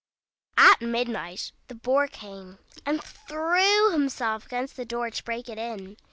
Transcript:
At midnight the Boar came, and threw himself against the door to break it in.